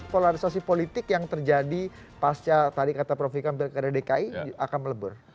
polarisasi politik yang terjadi pasca tadi kata prof ikam pilkada dki akan melebur